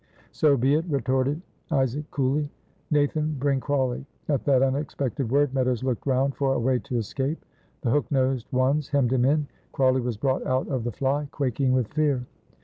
"So be it," retorted Isaac, coolly; "Nathan, bring Crawley." At that unexpected word, Meadows looked round for a way to escape. The hooked nosed ones hemmed him in. Crawley was brought out of the fly, quaking with fear.